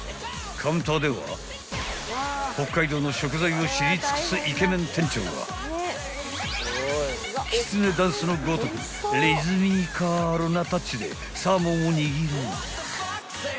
［カウンターでは北海道の食材を知り尽くすイケメン店長がきつねダンスのごとくリズミカルなタッチでサーモンを握る］